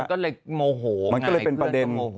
ก็เลยโมโหมันก็เลยเป็นประเด็น